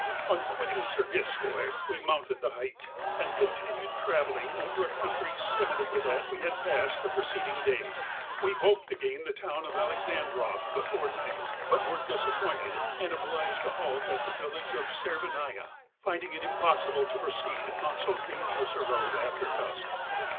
On quitting Zergifskoy we mounted the height, and continued travelling over a country similar to that we had passed the preceding day. We hoped n: MOUNT ELBURZ. 181 to gain the town of Alexandroff before night, but were disappointed, and obliged to halt at the village of Severnaia, finding it impossible to proceed on so dangerous a road after dusk.